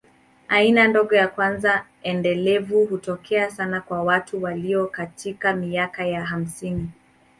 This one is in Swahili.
Aina ndogo ya kwanza endelevu hutokea sana kwa watu walio katika miaka ya hamsini.